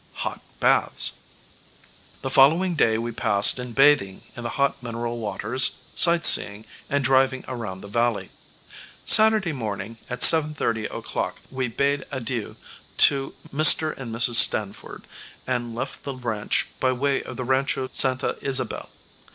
Hot Baths. The following day we passed in bathing in the hot mineral waters, sightseeing and driving around the valley. Saturday morning at 7:30 o'clock we bade adieu to Mr. and Mrs. Stanford and left the ranch by way of the Rancho Santa Isabel.